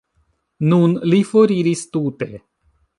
Nun li foriris tute.